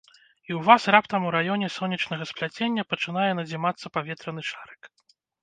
І ў вас раптам у раёне сонечнага спляцення пачынае надзімацца паветраны шарык.